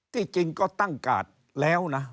จริงก็ตั้งกาดแล้วนะ